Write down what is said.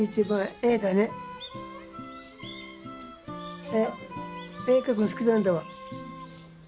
絵描くの好きなんだわ。